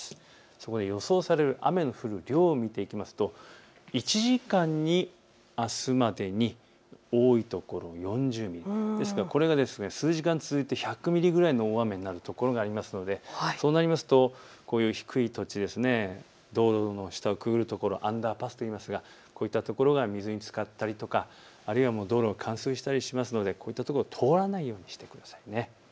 そこで予想される雨の降る量を見ていくと１時間にあすまでに多い所、４０ミリ、ですからこれが数時間続いて１００ミリぐらいの大雨になるところがあるのでそうなると、低い土地、道路の下をくぐる所、アンダーパスといいますがこういったところが水につかったりとか、あるいは道路が冠水したりするのでこういったところは通らないようにしてください。